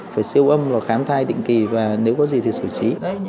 phải siêu âm và khám thai định kỳ và nếu có gì thì xử trí